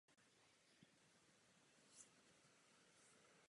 Systém umožňoval současně sledovat až šest cílů a provádět palbu na dva cíle současně.